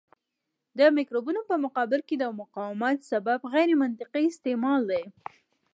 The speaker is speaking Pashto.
د مکروبونو په مقابل کې د مقاومت سبب غیرمنطقي استعمال دی.